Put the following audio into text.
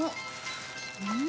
うん？